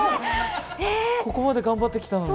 ここまで頑張ってきたのに？